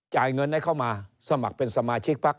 จ่ายเงินให้เข้ามาสมัครเป็นสมาชิกพัก